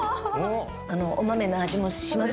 お豆の味もします。